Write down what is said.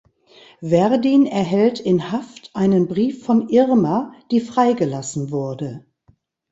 Werdin erhält in Haft einen Brief von Irma, die freigelassen wurde.